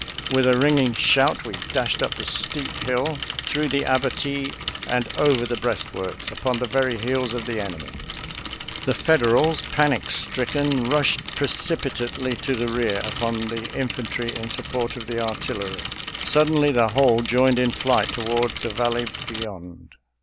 With a ringing shout we dashed up the steep hill, through the abatis and over the breastworks, upon the very heels of the enemy. The Federals, panic stricken, rushed precipitately to the rear upon the infantry in support of the artillery. Suddenly the whole joined in flight toward the valley beyond.